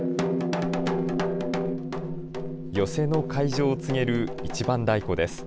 寄席の会場を告げる一番太鼓です。